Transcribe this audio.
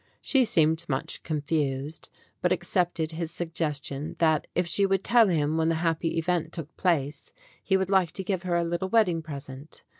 She seemed much confused, but accepted his suggestion that, if she would tell him when the happy event took place, he would like to give her a little wedding present.